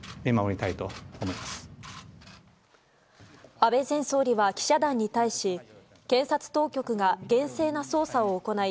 安倍前総理は記者団に対し検察当局が厳正な捜査を行い